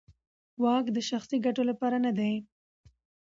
واک د شخصي ګټو لپاره نه دی.